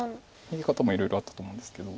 逃げ方もいろいろあったと思うんですけど。